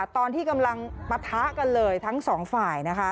ตอนที่กำลังปะทะกันเลยทั้งสองฝ่ายนะคะ